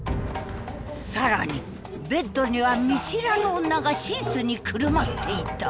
更にベッドには見知らぬ女がシーツにくるまっていた。